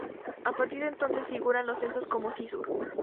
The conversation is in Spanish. A partir de entonces figura en los censos como Cizur.